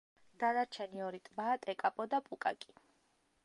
დანარჩენი ორი ტბაა ტეკაპო და პუკაკი.